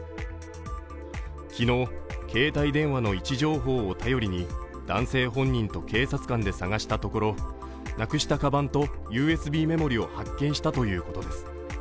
昨日、携帯電話の位置情報を頼りに男性本人と警察官で探したところ、なくしたかばんとＵＳＢメモリを発見したということです。